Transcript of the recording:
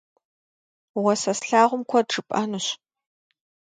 Уэ сэ слъагъум куэд жыпӏэнущ.